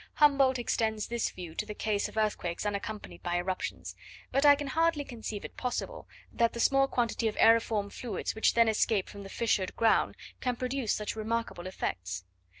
Humboldt extends this view to the case of earthquakes unaccompanied by eruptions; but I can hardly conceive it possible, that the small quantity of aeriform fluids which then escape from the fissured ground, can produce such remarkable effects.